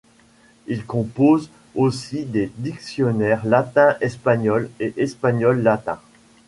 Il compose aussi des dictionnaires latin-espagnol et espagnol-latin.